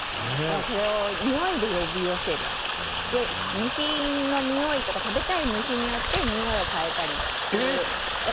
それをにおいで呼び寄せると虫のにおいとか食べたい虫によってにおいを変えたりするんです。